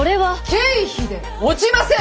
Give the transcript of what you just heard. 経費で落ちません！